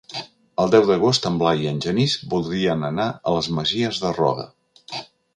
El deu d'agost en Blai i en Genís voldrien anar a les Masies de Roda.